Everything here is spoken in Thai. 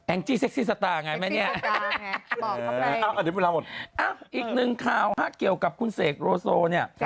แองจี้เซ็กซี่สตาร์ไงไหมเนี่ยอีกนึงข่าวเกี่ยวกับคุณเสกโรโซเนี่ย